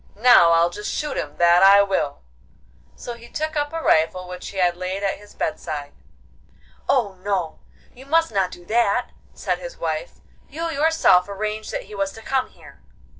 'Now I'll just shoot him, that I will!' So he took up a rifle which he had laid at his bedside. 'Oh no, you must not do that,' said his wife; 'you yourself arranged that he was to come here.